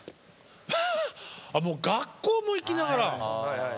ああもう学校も行きながら。